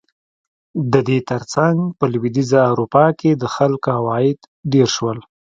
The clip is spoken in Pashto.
د دې ترڅنګ په لوېدیځه اروپا کې د خلکو عواید ډېر شول.